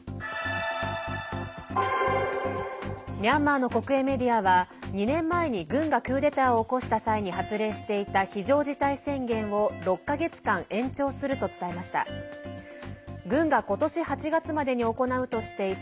ミャンマーの国営メディアは２年前に軍がクーデターを起こした際に発令していた非常事態宣言を６か月間延長すると伝えました。